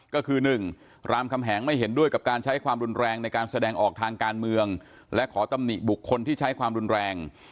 ก็คือ๑รามคำแหงไม่เห็นด้วยกับการใช้ความรุนแรงในการแสดงออกทางการเมืองและขอตำหนิบุคคลที่ใช้ความรุนแรง